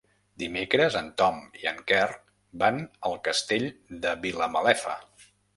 Dimecres en Tom i en Quer van al Castell de Vilamalefa.